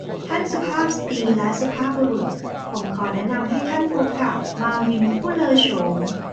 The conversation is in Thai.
ท่านสุภาพสตรีและสุภาพบุรุษ ผมขอแนะนำให้ท่านพบกับมาร์วินผู้เลอโฉม